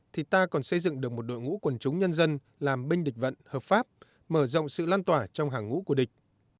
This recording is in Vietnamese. thì ta còn xây dựng được một đội ngũ quần chúng nhân dân làm binh địch vận hợp pháp mở rộng sự lan tỏa trong hàng ngũ của địch